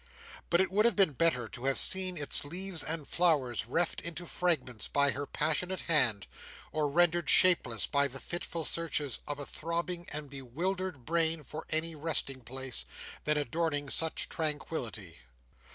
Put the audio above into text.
But it would have been better to have seen its leaves and flowers reft into fragments by her passionate hand, or rendered shapeless by the fitful searches of a throbbing and bewildered brain for any resting place, than adorning such tranquillity.